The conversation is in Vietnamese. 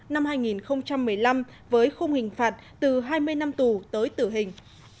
năm hai nghìn một mươi năm với khung hình phạt từ hai mươi năm tù tới tử hình